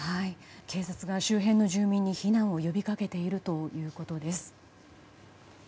警察が周辺の住民に避難を呼びかけているということです。